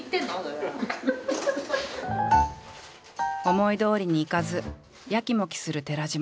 思いどおりにいかずやきもきする寺島。